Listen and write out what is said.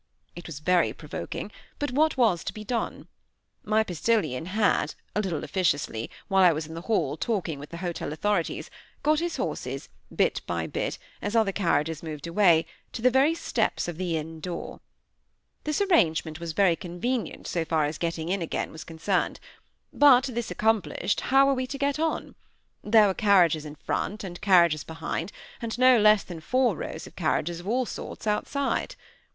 It was very provoking, but what was to be done? My postilion had, a little officiously, while I was in the hall talking with the hotel authorities, got his horses, bit by bit, as other carriages moved away, to the very steps of the inn door. This arrangement was very convenient so far as getting in again was concerned. But, this accomplished, how were we to get on? There were carriages in front, and carriages behind, and no less than four rows of carriages, of all sorts, outside.